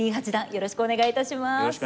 よろしくお願いします。